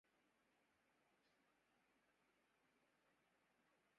مجھے کوئی بتا سکتا ہے کہ یوفون کا انٹرنیٹ پیکج کون سا سب سے اچھا ہے